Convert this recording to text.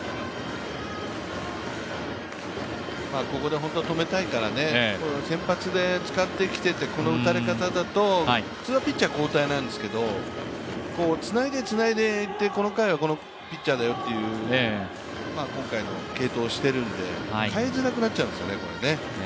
ここで本当は止めたいから先発で使ってきててこの打たれ方だと普通はピッチャー交代なんですけど、つないで、つないで、この回はこのピッチャーだという、今回継投しているんで代えづらくなっちゃうんですよね。